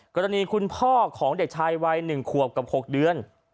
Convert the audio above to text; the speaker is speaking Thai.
คุณพ่อของเด็กชายวัย๑ขวบกับ๖เดือน